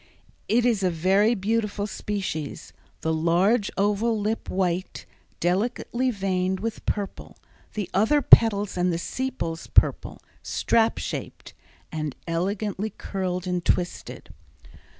It is a very beautiful species, the large oval lip white, delicately veined with purple; the other petals and the sepals purple, strap shaped, and elegantly curled and twisted.